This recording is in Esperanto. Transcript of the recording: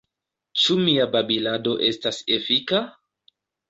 Ĉu mia babilado estas efika?